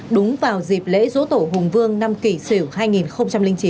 đúng vào dịp lễ dỗ tổ hùng vương năm kỷ sử hai nghìn chín